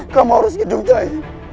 kamu harus hidup jai